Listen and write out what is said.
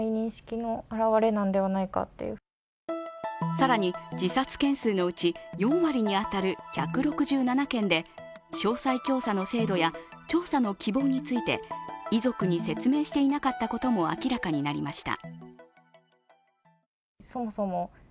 更に、自殺件数のうち４割に当たる１６７件で詳細調査の制度や調査の希望について遺族に説明していなかったことも明らかになりました。